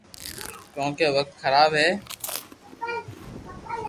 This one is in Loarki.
ڪونڪہ وقت خراب ھي